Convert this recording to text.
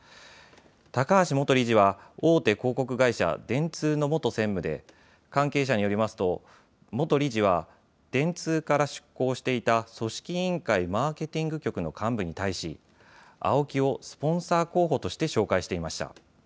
高橋元理事は大手広告会社、電通の元専務で関係者によりますと元理事は電通から出向していた組織委員会マーケティング局の幹部に対しＡＯＫＩをスポンサー候補として紹介していました。